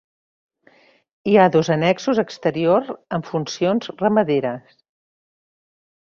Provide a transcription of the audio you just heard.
Hi ha dos annexos exteriors amb funcions ramaderes.